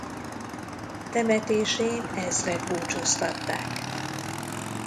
Temetésén ezrek búcsúztatták.